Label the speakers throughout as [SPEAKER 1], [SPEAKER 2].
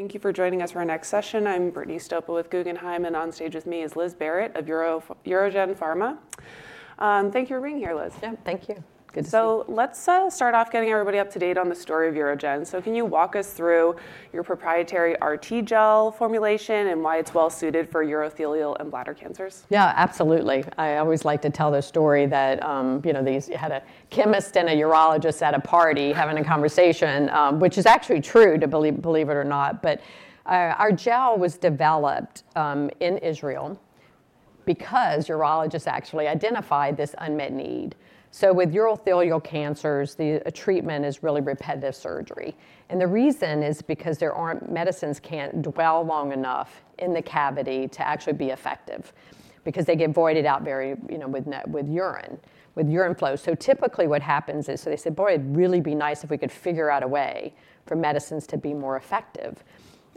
[SPEAKER 1] Thank you for joining us for our next session. I'm Brittany Stopa with Guggenheim, and on stage with me is Liz Barrett, of UroGen Pharma. Thank you for being here, Liz.
[SPEAKER 2] Yeah, thank you. Good to see you.
[SPEAKER 1] So let's start off getting everybody up to date on the story of UroGen. So can you walk us through your proprietary RTGel formulation and why it's well-suited for urothelial and bladder cancers?
[SPEAKER 2] Yeah, absolutely. I always like to tell the story that, you know, they had a chemist and a urologist at a party having a conversation, which is actually true, believe it or not. But our gel was developed in Israel because urologists actually identified this unmet need. So with urothelial cancers, the treatment is really repetitive surgery. And the reason is because there aren't medicines that can dwell long enough in the cavity to actually be effective, because they get voided out very, you know, with urine, with urine flow. So typically what happens is, so they said, boy, it'd really be nice if we could figure out a way for medicines to be more effective.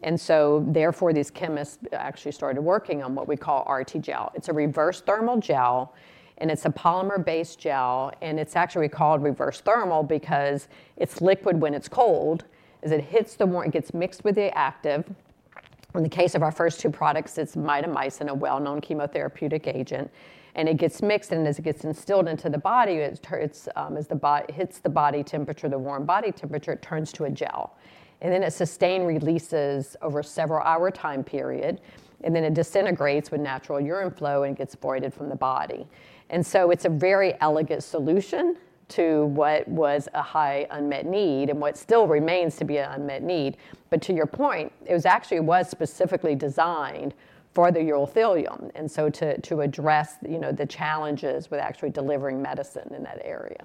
[SPEAKER 2] And so therefore these chemists actually started working on what we call RTGel. It's a reverse thermal gel, and it's a polymer-based gel. It's actually called reverse thermal because it's liquid when it's cold, as it hits the warm, it gets mixed with the active. In the case of our first two products, it's mitomycin, a well-known chemotherapeutic agent. It gets mixed, and as it gets instilled into the body, as the body hits the body temperature, the warm body temperature, it turns to a gel. Then it sustained releases over a several-hour time period, and then it disintegrates with natural urine flow and gets voided from the body. It's a very elegant solution to what was a high unmet need and what still remains to be an unmet need. To your point, it was actually specifically designed for the urothelium and so to address, you know, the challenges with actually delivering medicine in that area.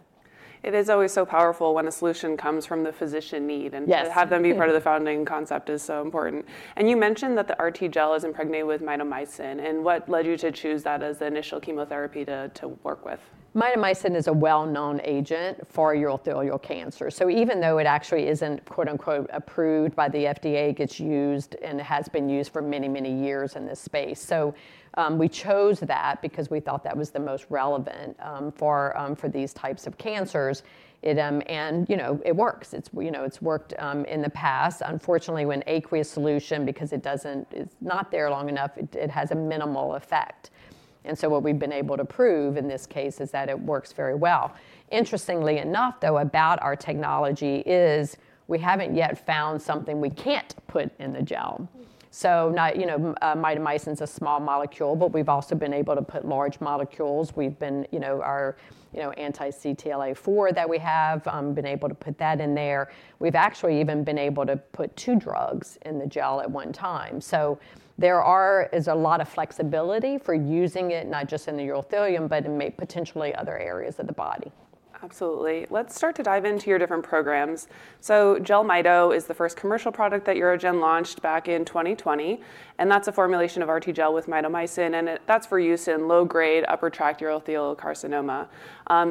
[SPEAKER 1] It is always so powerful when a solution comes from the physician need.
[SPEAKER 2] Yes.
[SPEAKER 1] And to have them be part of the founding concept is so important. And you mentioned that the RTGel is impregnated with mitomycin. And what led you to choose that as the initial chemotherapy to work with?
[SPEAKER 2] Mitomycin is a well-known agent for urothelial cancer. So even though it actually isn't "approved" by the FDA, it gets used and has been used for many, many years in this space. So we chose that because we thought that was the most relevant for these types of cancers. And, you know, it works. It's, you know, it's worked in the past. Unfortunately, when aqueous solution, because it doesn't, it's not there long enough, it has a minimal effect. And so what we've been able to prove in this case is that it works very well. Interestingly enough, though, about our technology is we haven't yet found something we can't put in the gel. So not, you know, mitomycin's a small molecule, but we've also been able to put large molecules. We've been, you know, our, you know, anti-CTLA-4 that we have been able to put that in there. We've actually even been able to put two drugs in the gel at one time. So there is a lot of flexibility for using it, not just in the urothelium, but in potentially other areas of the body.
[SPEAKER 1] Absolutely. Let's start to dive into your different programs. So JELMYTO is the first commercial product that UroGen launched back in 2020. And that's a formulation of RTGel with mitomycin, and that's for use in low-grade, upper tract urothelial carcinoma.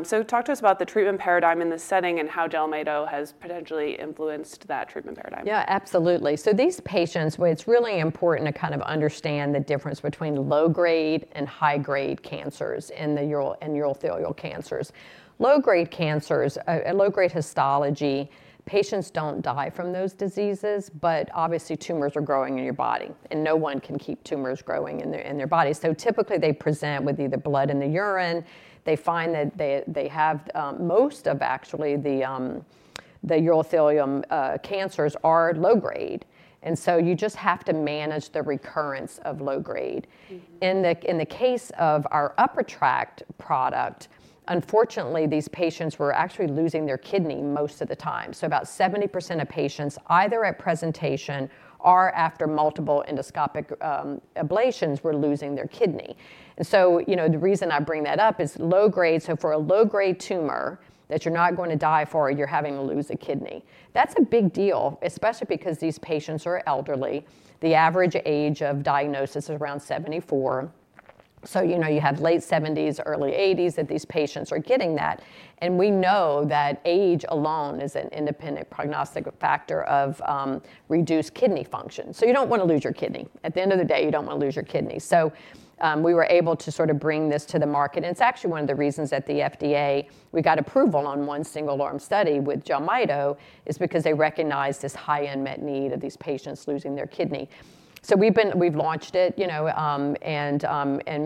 [SPEAKER 1] So talk to us about the treatment paradigm in this setting and how JELMYTO has potentially influenced that treatment paradigm.
[SPEAKER 2] Yeah, absolutely. So these patients, it's really important to kind of understand the difference between low-grade and high-grade cancers and urothelial cancers. Low-grade cancers, low-grade histology, patients don't die from those diseases, but obviously tumors are growing in your body, and no one can keep tumors growing in their body. So typically they present with either blood in the urine. They find that they have most of actually the urothelial cancers are low-grade. And so you just have to manage the recurrence of low-grade. In the case of our upper tract product, unfortunately, these patients were actually losing their kidney most of the time. So about 70% of patients, either at presentation or after multiple endoscopic ablations, were losing their kidney. And so, you know, the reason I bring that up is low-grade. So for a low-grade tumor that you're not going to die for, you're having to lose a kidney. That's a big deal, especially because these patients are elderly. The average age of diagnosis is around 74. So, you know, you have late 70s, early 80s that these patients are getting that. And we know that age alone is an independent prognostic factor of reduced kidney function. So you don't want to lose your kidney. At the end of the day, you don't want to lose your kidney. So we were able to sort of bring this to the market. And it's actually one of the reasons that the FDA, we got approval on one single-arm study with JELMYTO, is because they recognized this high unmet need of these patients losing their kidney. So we've been, we've launched it, you know, and,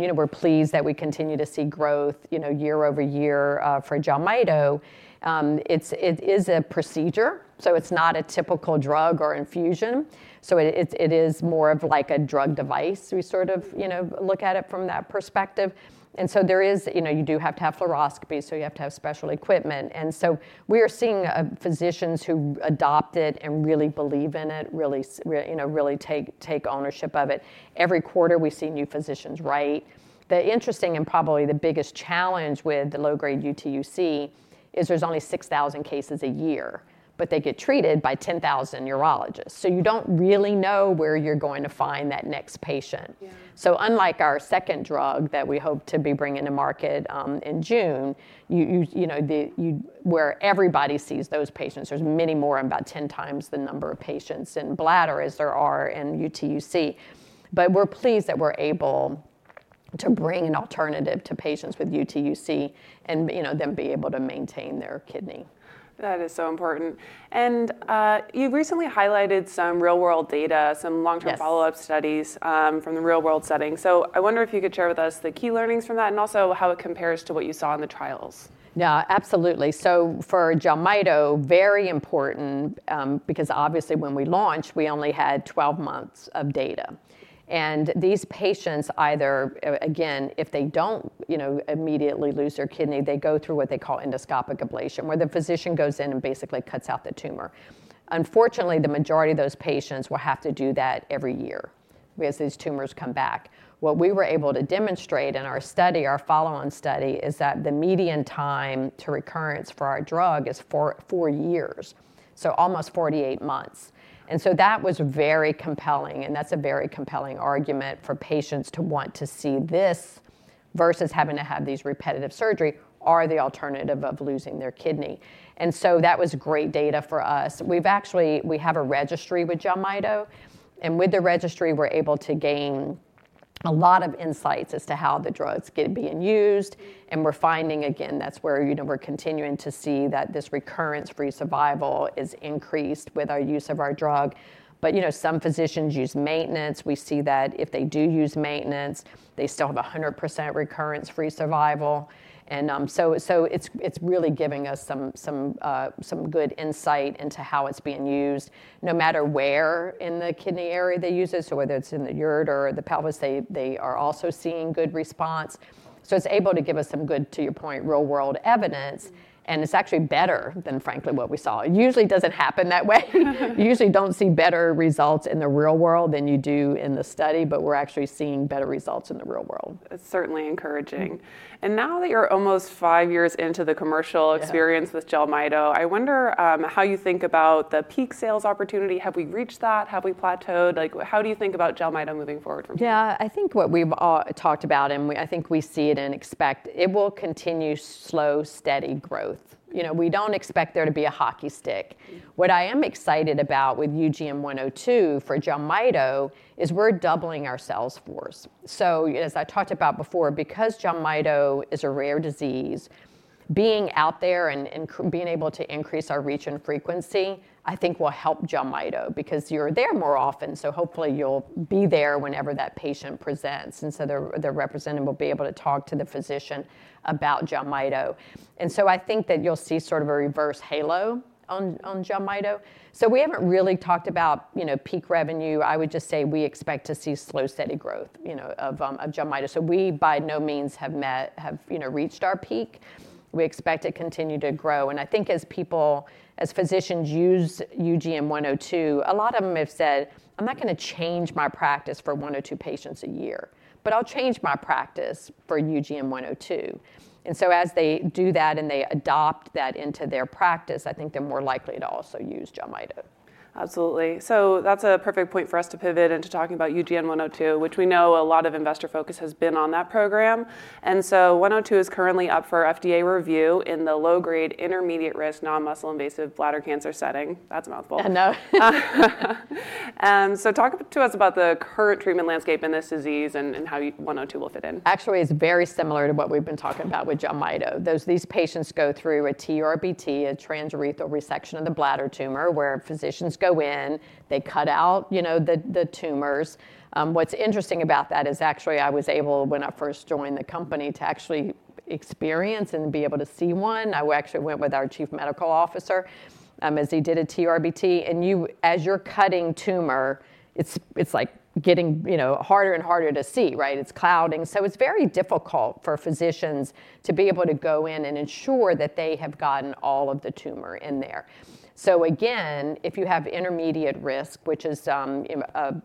[SPEAKER 2] you know, we're pleased that we continue to see growth, you know, year-over-year for JELMYTO. It is a procedure, so it's not a typical drug or infusion. So it is more of like a drug device. We sort of, you know, look at it from that perspective. And so there is, you know, you do have to have fluoroscopy, so you have to have special equipment. And so we are seeing physicians who adopt it and really believe in it, really, you know, really take ownership of it. Every quarter we see new physicians write. The interesting and probably the biggest challenge with the low-grade UTUC is there's only 6,000 cases a year, but they get treated by 10,000 urologists. So you don't really know where you're going to find that next patient. So unlike our second drug that we hope to be bringing to market in June, you know, where everybody sees those patients, there's many more and about 10 times the number of patients in bladder as there are in UTUC. But we're pleased that we're able to bring an alternative to patients with UTUC and, you know, then be able to maintain their kidney.
[SPEAKER 1] That is so important. And you've recently highlighted some real-world data, some long-term follow-up studies from the real-world setting. So I wonder if you could share with us the key learnings from that and also how it compares to what you saw in the trials?
[SPEAKER 2] Yeah, absolutely. So for JELMYTO, very important, because obviously when we launched, we only had 12 months of data. These patients either, again, if they don't, you know, immediately lose their kidney, they go through what they call endoscopic ablation, where the physician goes in and basically cuts out the tumor. Unfortunately, the majority of those patients will have to do that every year because these tumors come back. What we were able to demonstrate in our study, our follow-on study, is that the median time to recurrence for our drug is four years, so almost 48 months. That was very compelling, and that's a very compelling argument for patients to want to see this versus having to have these repetitive surgeries or the alternative of losing their kidney. That was great data for us. We've actually, we have a registry with JELMYTO, and with the registry, we're able to gain a lot of insights as to how the drugs could be used. And we're finding, again, that's where, you know, we're continuing to see that this recurrence-free survival is increased with our use of our drug. But, you know, some physicians use maintenance. We see that if they do use maintenance, they still have 100% recurrence-free survival. And so it's really giving us some good insight into how it's being used, no matter where in the kidney area they use it. So whether it's in the ureter or the pelvis, they are also seeing good response. So it's able to give us some good, to your point, real-world evidence, and it's actually better than, frankly, what we saw. It usually doesn't happen that way. You usually don't see better results in the real world than you do in the study, but we're actually seeing better results in the real world.
[SPEAKER 1] It's certainly encouraging. And now that you're almost five years into the commercial experience with JELMYTO, I wonder how you think about the peak sales opportunity. Have we reached that? Have we plateaued? Like, how do you think about JELMYTO moving forward from here?
[SPEAKER 2] Yeah, I think what we've all talked about, and I think we see it and expect it will continue slow, steady growth. You know, we don't expect there to be a hockey stick. What I am excited about with UGN-102 for JELMYTO is we're doubling our sales force. So as I talked about before, because JELMYTO is a rare disease, being out there and being able to increase our reach and frequency, I think will help JELMYTO because you're there more often. So hopefully you'll be there whenever that patient presents. And so the representative will be able to talk to the physician about JELMYTO. And so I think that you'll see sort of a reverse halo on JELMYTO. So we haven't really talked about, you know, peak revenue. I would just say we expect to see slow, steady growth, you know, of JELMYTO. So we by no means have met, you know, reached our peak. We expect to continue to grow. And I think as people, as physicians use UGN-102, a lot of them have said, "I'm not going to change my practice for one or two patients a year, but I'll change my practice for UGN-102." And so as they do that and they adopt that into their practice, I think they're more likely to also use JELMYTO.
[SPEAKER 1] Absolutely. So that's a perfect point for us to pivot into talking about UGN-102, which we know a lot of investor focus has been on that program, and so 102 is currently up for FDA review in the low-grade, intermediate-risk, non-muscle-invasive bladder cancer setting. That's a mouthful.
[SPEAKER 2] I know.
[SPEAKER 1] Talk to us about the current treatment landscape in this disease and how 102 will fit in.
[SPEAKER 2] Actually, it's very similar to what we've been talking about with Jelmyto. These patients go through a TURBT, a transurethral resection of the bladder tumor, where physicians go in, they cut out, you know, the tumors. What's interesting about that is actually I was able, when I first joined the company, to actually experience and be able to see one. I actually went with our Chief Medical Officer as he did a TURBT. And you, as you're cutting tumor, it's like getting, you know, harder and harder to see, right? It's clouding. So it's very difficult for physicians to be able to go in and ensure that they have gotten all of the tumor in there. So again, if you have intermediate risk, which is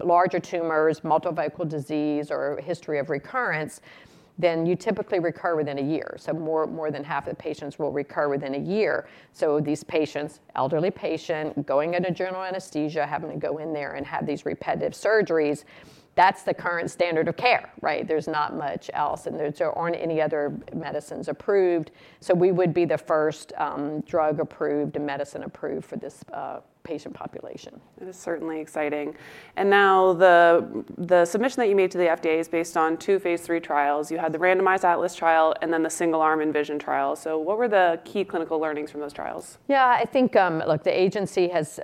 [SPEAKER 2] larger tumors, multifocal disease, or a history of recurrence, then you typically recur within a year. So more than half of the patients will recur within a year. So these patients, elderly patient, going under general anesthesia, having to go in there and have these repetitive surgeries, that's the current standard of care, right? There's not much else, and there aren't any other medicines approved. So we would be the first drug-approved and medicine-approved for this patient population.
[SPEAKER 1] That is certainly exciting. And now the submission that you made to the FDA is based on two phase III trials. You had the randomized ATLAS trial and then the single-arm ENVISION trial. So what were the key clinical learnings from those trials?
[SPEAKER 2] Yeah, I think, look, the agency has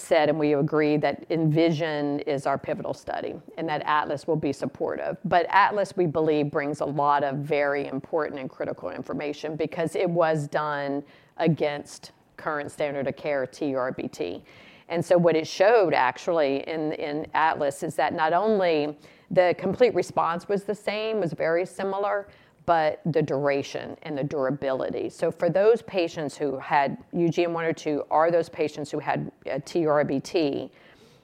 [SPEAKER 2] said, and we agree, that ENVISION is our pivotal study and that ATLAS will be supportive. But ATLAS, we believe, brings a lot of very important and critical information because it was done against current standard of care TURBT. And so what it showed actually in ATLAS is that not only the complete response was the same, was very similar, but the duration and the durability. So for those patients who had UGN-102 or those patients who had TURBT,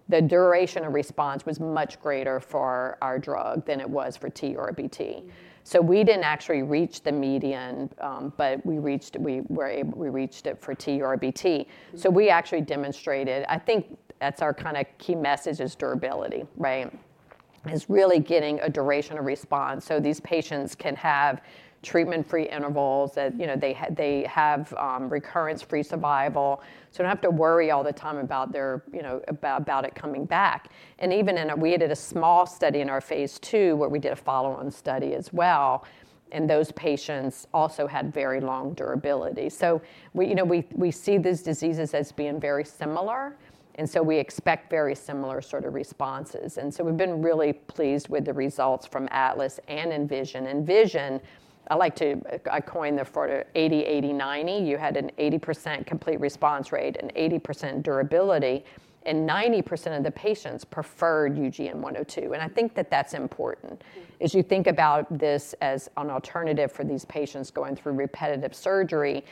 [SPEAKER 2] the duration of response was much greater for our drug than it was for TURBT. So we didn't actually reach the median, but we reached, we were able, we reached it for TURBT. So we actually demonstrated. I think that's our kind of key message is durability, right? Is really getting a duration of response. These patients can have treatment-free intervals that, you know, they have recurrence-free survival. They don't have to worry all the time about their, you know, about it coming back. Even in a, we did a small study in our phase II where we did a follow-on study as well. Those patients also had very long durability. We, you know, see these diseases as being very similar. We expect very similar sort of responses. We've been really pleased with the results from ATLAS and ENVISION. For ENVISION, I like to coin the 80-80-90. You had an 80% complete response rate and 80% durability, and 90% of the patients preferred UGN-102. I think that that's important as you think about this as an alternative for these patients going through repetitive surgery.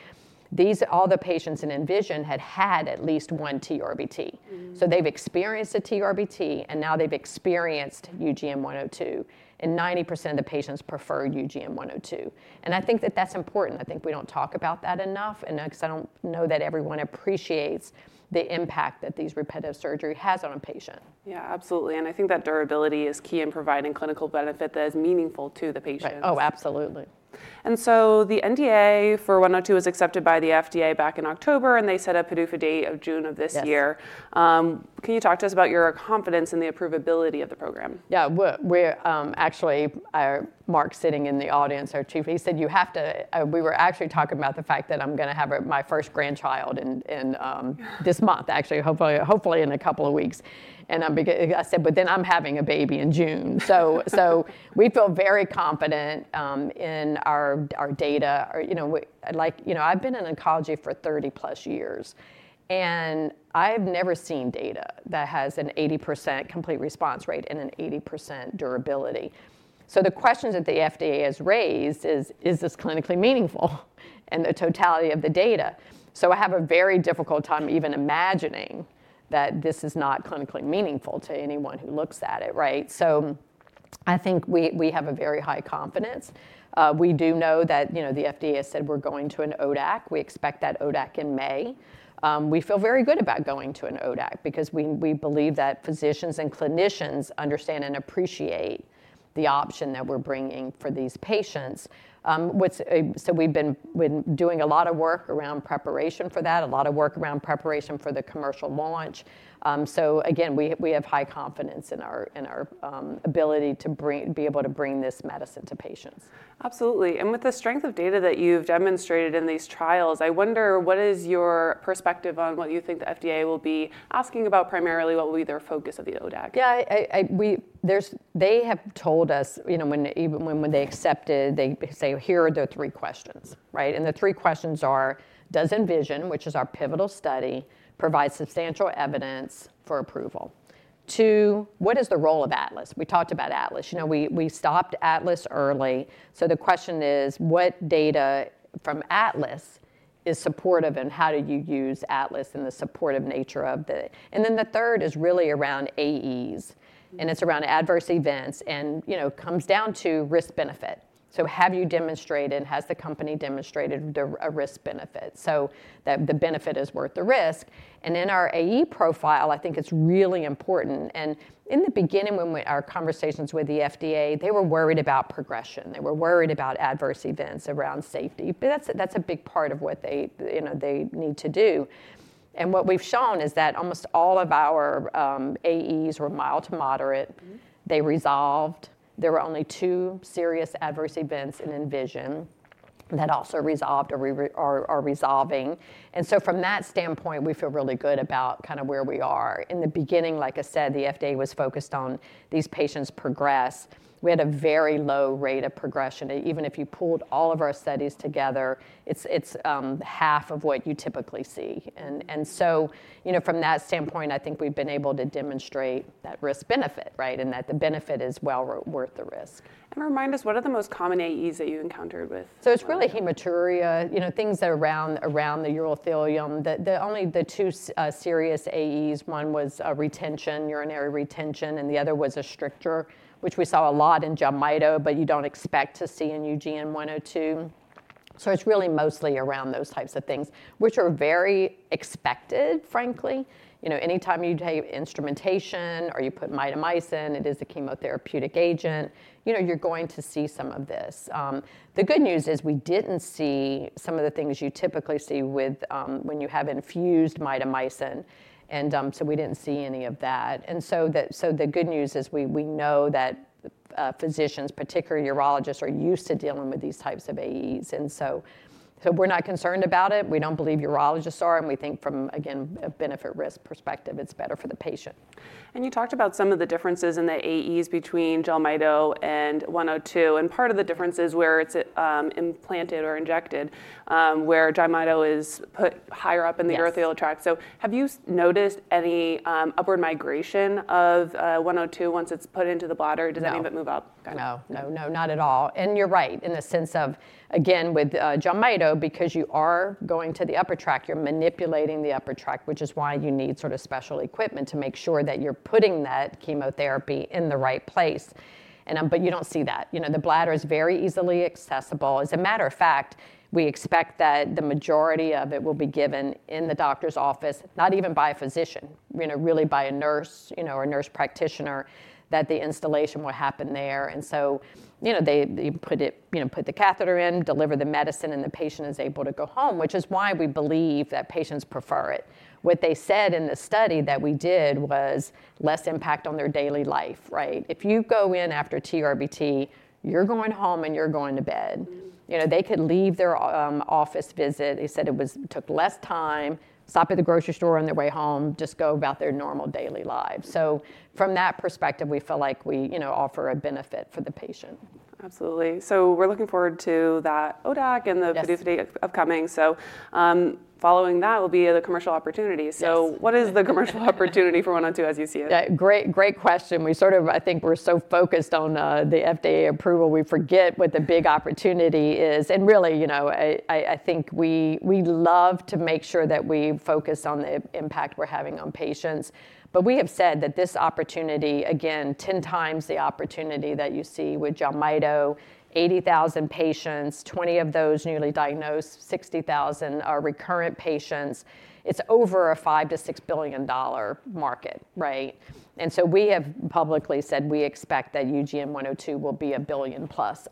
[SPEAKER 2] These all the patients in ENVISION had had at least one TURBT. So they've experienced a TURBT, and now they've experienced UGN-102. And 90% of the patients preferred UGN-102. And I think that that's important. I think we don't talk about that enough, and because I don't know that everyone appreciates the impact that these repetitive surgeries have on a patient.
[SPEAKER 1] Yeah, absolutely. And I think that durability is key in providing clinical benefit that is meaningful to the patient.
[SPEAKER 2] Oh, absolutely.
[SPEAKER 1] And so the NDA for 102 was accepted by the FDA back in October, and they set a PDUFA date of June of this year. Can you talk to us about your confidence in the approvability of the program?
[SPEAKER 2] Yeah, we're actually, Mark sitting in the audience, our chief, he said, "You have to," we were actually talking about the fact that I'm going to have my first grandchild in this month, actually, hopefully in a couple of weeks. And I said, "But then I'm having a baby in June." So we feel very confident in our data. You know, like, you know, I've been in oncology for 30 plus years, and I've never seen data that has an 80% complete response rate and an 80% durability. So the questions that the FDA has raised is, is this clinically meaningful and the totality of the data? So I have a very difficult time even imagining that this is not clinically meaningful to anyone who looks at it, right? So I think we have a very high confidence. We do know that, you know, the FDA has said we're going to an ODAC. We expect that ODAC in May. We feel very good about going to an ODAC because we believe that physicians and clinicians understand and appreciate the option that we're bringing for these patients. So we've been doing a lot of work around preparation for that, a lot of work around preparation for the commercial launch. So again, we have high confidence in our ability to be able to bring this medicine to patients.
[SPEAKER 1] Absolutely. And with the strength of data that you've demonstrated in these trials, I wonder what is your perspective on what you think the FDA will be asking about primarily, what will be their focus of the ODAC?
[SPEAKER 2] Yeah, they have told us, you know, when they accepted, they say, "Here are the three questions," right? And the three questions are, does ENVISION, which is our pivotal study, provide substantial evidence for approval? Two, what is the role of ATLAS? We talked about ATLAS. You know, we stopped ATLAS early. So the question is, what data from ATLAS is supportive and how do you use ATLAS and the supportive nature of the... And then the third is really around AEs, and it's around adverse events and, you know, comes down to risk-benefit. So have you demonstrated, has the company demonstrated a risk-benefit so that the benefit is worth the risk? And in our AE profile, I think it's really important. And in the beginning, when our conversations with the FDA, they were worried about progression. They were worried about adverse events around safety. But that's a big part of what they, you know, they need to do. And what we've shown is that almost all of our AEs were mild to moderate. They resolved. There were only two serious adverse events in ENVISION that also resolved or are resolving. And so from that standpoint, we feel really good about kind of where we are. In the beginning, like I said, the FDA was focused on these patients' progress. We had a very low rate of progression. Even if you pulled all of our studies together, it's half of what you typically see. And so, you know, from that standpoint, I think we've been able to demonstrate that risk-benefit, right? And that the benefit is well worth the risk.
[SPEAKER 1] Remind us, what are the most common AEs that you encountered with...
[SPEAKER 2] It's really hematuria, you know, things that are around the urothelium. The only two serious AEs, one was retention, urinary retention, and the other was a stricture, which we saw a lot in JELMYTO, but you don't expect to see in UGN-102. It's really mostly around those types of things, which are very expected, frankly. You know, anytime you take instrumentation or you put mitomycin, it is a chemotherapeutic agent. You know, you're going to see some of this. The good news is we didn't see some of the things you typically see when you have infused mitomycin. We didn't see any of that. The good news is we know that physicians, particularly urologists, are used to dealing with these types of AEs. We're not concerned about it. We don't believe urologists are. We think from, again, a benefit-risk perspective, it's better for the patient.
[SPEAKER 1] And you talked about some of the differences in the AEs between JELMYTO and 102. And part of the difference is where it's implanted or injected, where JELMYTO is put higher up in the urothelial tract. So have you noticed any upward migration of 102 once it's put into the bladder? Does any of it move up?
[SPEAKER 2] No, no, no, not at all. And you're right in the sense of, again, with JELMYTO, because you are going to the upper tract, you're manipulating the upper tract, which is why you need sort of special equipment to make sure that you're putting that chemotherapy in the right place. But you don't see that. You know, the bladder is very easily accessible. As a matter of fact, we expect that the majority of it will be given in the doctor's office, not even by a physician, you know, really by a nurse, you know, or a nurse practitioner, that the instillation will happen there. And so, you know, they put the catheter in, deliver the medicine, and the patient is able to go home, which is why we believe that patients prefer it. What they said in the study that we did was less impact on their daily life, right? If you go in after TURBT, you're going home and you're going to bed. You know, they could leave their office visit. They said it took less time, stop at the grocery store on their way home, just go about their normal daily lives. So from that perspective, we feel like we, you know, offer a benefit for the patient.
[SPEAKER 1] Absolutely. So we're looking forward to that ODAC and the PDUFA date upcoming. So following that will be the commercial opportunity. So what is the commercial opportunity for 102 as you see it?
[SPEAKER 2] Great question. We sort of, I think we're so focused on the FDA approval, we forget what the big opportunity is. And really, you know, I think we love to make sure that we focus on the impact we're having on patients. But we have said that this opportunity, again, 10 times the opportunity that you see with JELMYTO, 80,000 patients, 20 of those newly diagnosed, 60,000 are recurrent patients. It's over a $5 billion-$6 billion market, right? And so we have publicly said we expect that UGN-102 will be a $1+ billion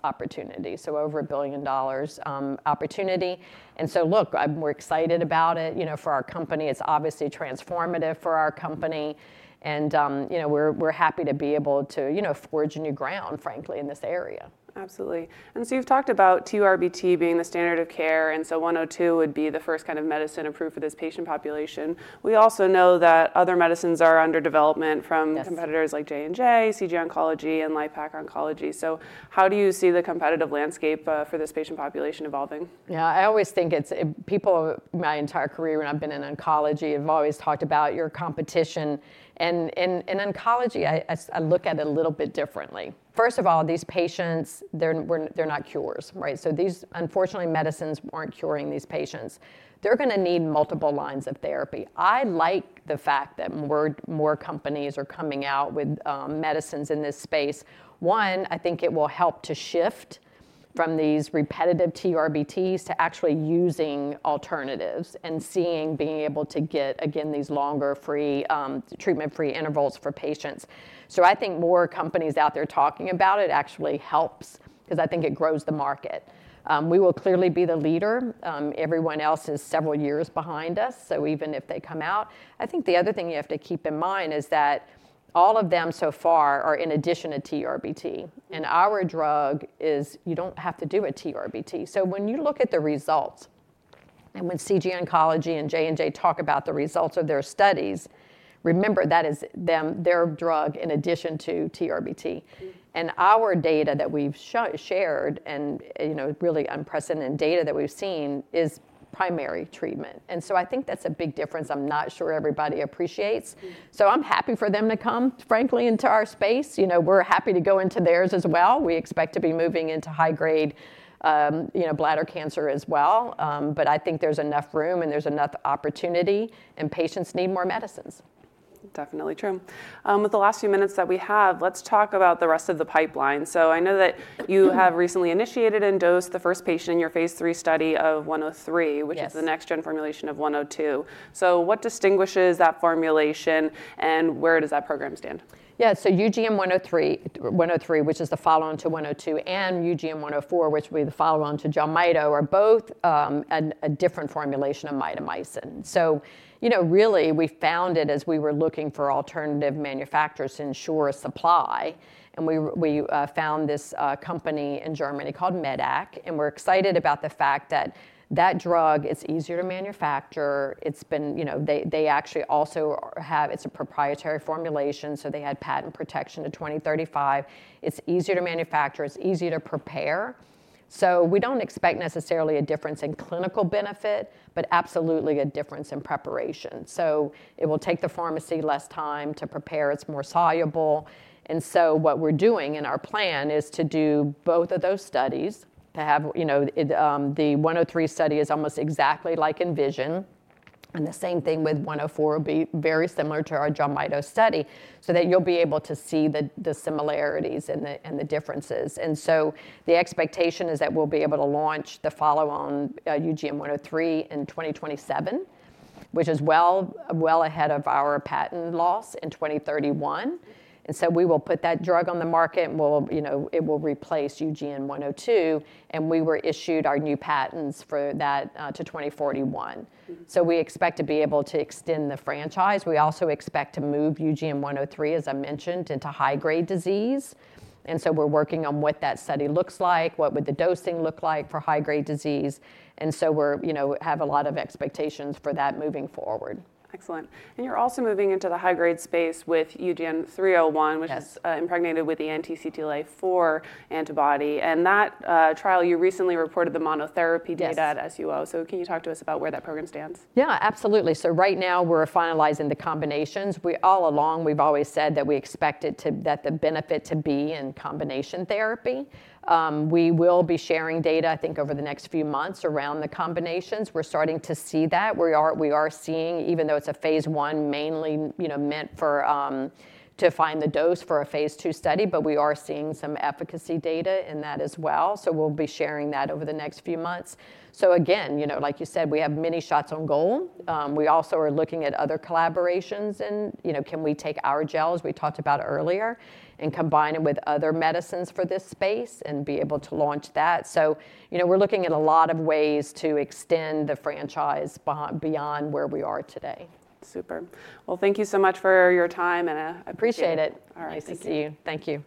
[SPEAKER 2] opportunity. So over a $1 billion opportunity. And so look, we're excited about it, you know, for our company. It's obviously transformative for our company. And, you know, we're happy to be able to, you know, forge new ground, frankly, in this area.
[SPEAKER 1] Absolutely. And so you've talked about TURBT being the standard of care. And so 102 would be the first kind of medicine approved for this patient population. We also know that other medicines are under development from competitors like J&J, CG Oncology, and LIPAC Oncology. So how do you see the competitive landscape for this patient population evolving?
[SPEAKER 2] Yeah, I always think it's people. My entire career when I've been in oncology, people have always talked about your competition. And in oncology, I look at it a little bit differently. First of all, these patients, they're not cures, right? So these, unfortunately, medicines aren't curing these patients. They're going to need multiple lines of therapy. I like the fact that more companies are coming out with medicines in this space. One, I think it will help to shift from these repetitive TURBTs to actually using alternatives and seeing being able to get, again, these longer treatment-free intervals for patients. So I think more companies out there talking about it actually helps because I think it grows the market. We will clearly be the leader. Everyone else is several years behind us. So even if they come out, I think the other thing you have to keep in mind is that all of them so far are in addition to TURBT. And our drug is, you don't have to do a TURBT. So when you look at the results and when CG Oncology and J&J talk about the results of their studies, remember that is their drug in addition to TURBT. And our data that we've shared and, you know, really unprecedented data that we've seen is primary treatment. And so I think that's a big difference. I'm not sure everybody appreciates. So I'm happy for them to come, frankly, into our space. You know, we're happy to go into theirs as well. We expect to be moving into high-grade, you know, bladder cancer as well. But I think there's enough room and there's enough opportunity and patients need more medicines.
[SPEAKER 1] Definitely true. With the last few minutes that we have, let's talk about the rest of the pipeline. So I know that you have recently initiated and dosed the first patient in your phase III study of 103, which is the next-gen formulation of 102. So what distinguishes that formulation and where does that program stand?
[SPEAKER 2] Yeah, so UGN-103, which is the follow-on to 102, and UGN-104, which will be the follow-on to JELMYTO, are both a different formulation of mitomycin. So, you know, really we found it as we were looking for alternative manufacturers to ensure a supply. And we found this company in Germany called medac. And we're excited about the fact that that drug is easier to manufacture. It's been, you know, they actually also have, it's a proprietary formulation. So they had patent protection to 2035. It's easier to manufacture. It's easier to prepare. So we don't expect necessarily a difference in clinical benefit, but absolutely a difference in preparation. So it will take the pharmacy less time to prepare. It's more soluble. And so what we're doing in our plan is to do both of those studies to have, you know, the 103 study is almost exactly like Envision. The same thing with 104 will be very similar to our Jelmyto study so that you'll be able to see the similarities and the differences. The expectation is that we'll be able to launch the follow-on UGN-103 in 2027, which is well, well ahead of our patent loss in 2031. We will put that drug on the market and we'll, you know, it will replace UGN-102. We were issued our new patents for that to 2041. We expect to be able to extend the franchise. We also expect to move UGN-103, as I mentioned, into high-grade disease. We're working on what that study looks like, what would the dosing look like for high-grade disease. We're, you know, have a lot of expectations for that moving forward.
[SPEAKER 1] Excellent. And you're also moving into the high-grade space with UGN-301, which is impregnated with the anti-CTLA-4 antibody. And that trial, you recently reported the monotherapy data at SUO. So can you talk to us about where that program stands?
[SPEAKER 2] Yeah, absolutely. So right now we're finalizing the combinations. All along, we've always said that we expect the benefit to be in combination therapy. We will be sharing data, I think, over the next few months around the combinations. We're starting to see that. We are seeing, even though it's a phase one mainly, you know, meant to find the dose for a phase II study, but we are seeing some efficacy data in that as well. So we'll be sharing that over the next few months. So again, you know, like you said, we have many shots on goal. We also are looking at other collaborations and, you know, can we take our gels we talked about earlier and combine it with other medicines for this space and be able to launch that. You know, we're looking at a lot of ways to extend the franchise beyond where we are today.
[SPEAKER 1] Super. Well, thank you so much for your time and I appreciate it.
[SPEAKER 2] All right, nice to see you. Thank you.